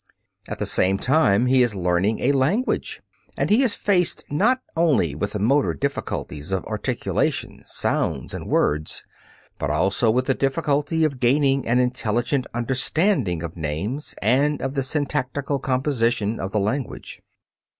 At the same time he is learning a language, and he is faced not only with the motor difficulties of articulation, sounds and words, but also with the difficulty of gaining an intelligent understanding of names and of the syntactical composition of the language.